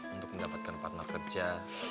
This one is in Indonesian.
untuk mendapatkan partner kerja